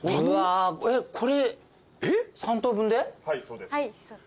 はいそうです。